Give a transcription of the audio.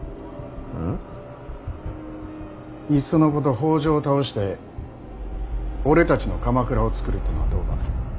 北条を倒して俺たちの鎌倉をつくるってのはどうだ。